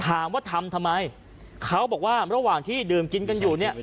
ถามว่าทำทำไมเขาบอกว่าระหว่างที่ดื่มกินกันอยู่เนี่ย